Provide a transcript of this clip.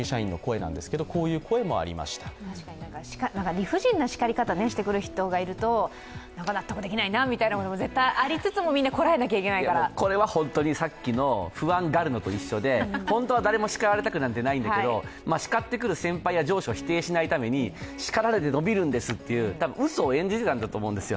理不尽な叱り方をしてくる人がいるとなんか納得できないなみたいなものがありつつもみんな、こらえなきゃいけないからこれは本当にさっきの不安がるのと一緒で本当は誰も叱られたくなんかないんだけとしかってくる先輩や上司を否定しないために、しかられて伸びるんですといううそを演じてたんだと思います。